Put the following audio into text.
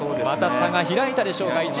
また差が開いたでしょうか。